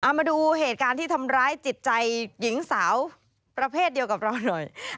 มาดูเหตุการณ์ที่ทำร้ายจิตใจหญิงสาวประเภทเดียวกับเราหน่อย